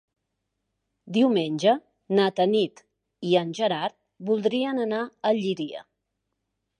Diumenge na Tanit i en Gerard voldrien anar a Llíria.